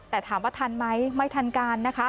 แต่ถามว่าทันไหมไม่ทันการนะคะ